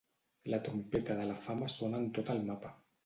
La trompeta de la fama sona en tot el mapa.